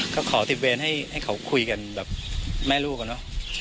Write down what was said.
ก็ขอติดเวรให้เขาคุยกันแบบแม่ลูกอะเนาะ